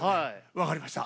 分かりました。